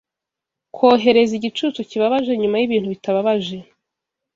Kohereza igicucu kibabaje nyuma yibintu bitababaje